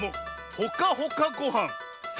ほかほかごはん？